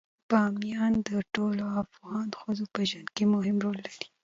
بامیان د ټولو افغان ښځو په ژوند کې مهم رول لري.